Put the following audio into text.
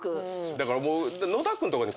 だからもう。